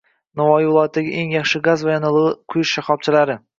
Navoiy viloyatidagi eng yaxshi gaz va yonilg‘i quyish shaxobchalari